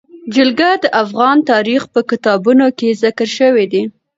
جلګه د افغان تاریخ په کتابونو کې ذکر شوی دي.